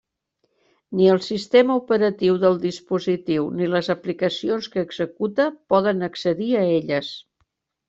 Ni el sistema operatiu del dispositiu ni les aplicacions que executa poden accedir a elles.